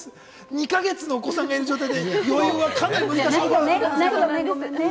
２か月のお子さんいる状態で余裕はかなり難しいことはわかります。